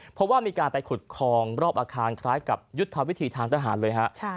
เพราะว่ามีการไปขุดคลองรอบอาคารคล้ายกับยุทธวิธีทางทหารเลยฮะ